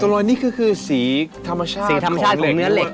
ตรงนี้คือสีธรรมชาติของเหล็ก